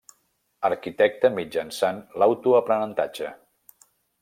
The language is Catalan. Arquitecte mitjançant l'autoaprenentatge.